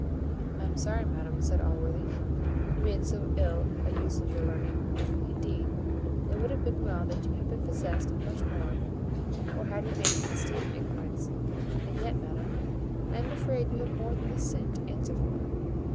"I am sorry, madam," said Allworthy, "you made so ill a use of your learning. Indeed, it would have been well that you had been possessed of much more, or had remained in a state of ignorance. And yet, madam, I am afraid you have more than this sin to answer for."